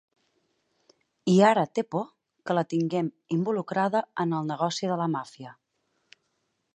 I ara té por que la tinguem involucrada en el negoci de la màfia.